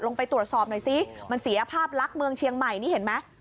ลงไปตรวจสอบหน่อยสิมันเสียภาพลักษณ์เมืองเชียงใหม่นี่เห็นไหม